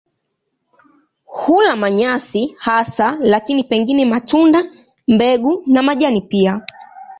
Hula manyasi hasa lakini pengine matunda, mbegu na majani pia.